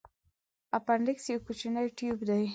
اپنډکس یو کوچنی تیوب دی.